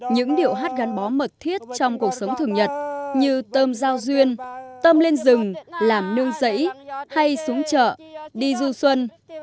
những điệu hát gắn bó mật thiết trong cuộc sống thường nhật như tôm giao duyên tâm lên rừng làm nương giấy hay súng chợ đi du xuân